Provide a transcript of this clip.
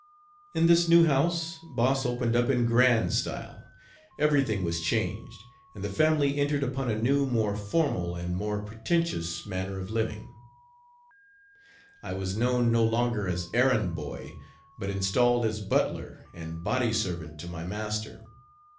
In this new house Boss opened up in grand style; everything was changed, and the family entered upon a new, more formal and more pretentious manner of Page 62 living. I was known no longer as errand boy, but installed as butler and body servant to my master.